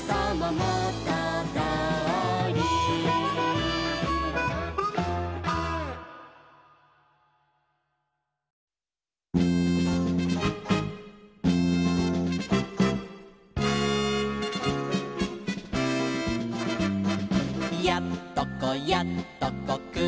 「やっとこやっとこくりだした」